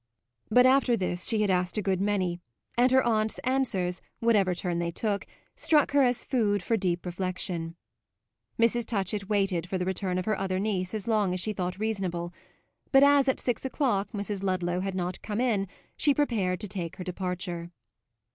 But after this she had asked a good many, and her aunt's answers, whatever turn they took, struck her as food for deep reflexion. Mrs. Touchett waited for the return of her other niece as long as she thought reasonable, but as at six o'clock Mrs. Ludlow had not come in she prepared to take her departure.